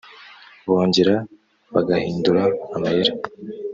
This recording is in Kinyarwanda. bongera bagahindura amayeri